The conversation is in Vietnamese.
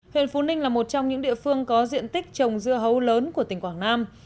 huyện phú ninh là một trong những địa phương có diện tích trồng dưa hấu lớn của tỉnh quảng nam